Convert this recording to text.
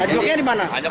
anjloknya di mana